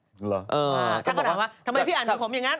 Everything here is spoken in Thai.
เออถ้าเขาถามว่าทำไมพี่อ่านทำผมอย่างนั้นถ้าเขาถามว่าทำไมพี่อ่านทำผมอย่างนั้น